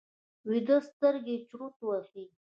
ویده سترګې چورت وهي